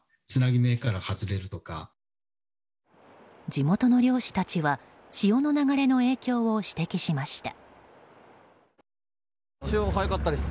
地元の漁師たちは潮の流れの影響を指摘しました。